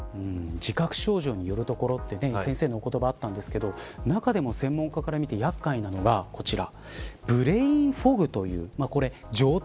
自覚症状によるところ先生の言葉があったんですけど中でも、専門家から見てやっかいなのが、こちら。